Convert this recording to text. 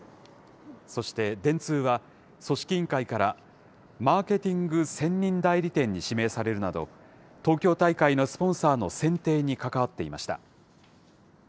そして電通は、組織委員会からマーケティング専任代理店に指名されるなど、東京大会のスポンサーの選定に関わっていました。